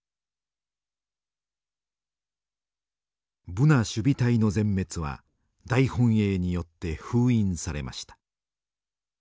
ブナ守備隊の全滅は大本営によって封印されました。